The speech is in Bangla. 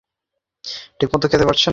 ঠিকমত খেতে পারছে না।